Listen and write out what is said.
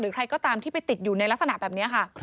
ใครก็ตามที่ไปติดอยู่ในลักษณะแบบนี้ค่ะ